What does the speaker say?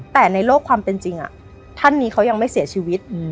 แต่ในโลกความเป็นจริงท่านนี้เขายังไม่เสียชีวิต